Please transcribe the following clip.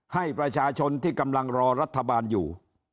ให้ประชาชนที่กำลังรอรัฐบาลอยู่